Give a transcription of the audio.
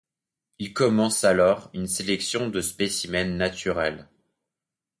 Il commence alors une collection de spécimens naturels.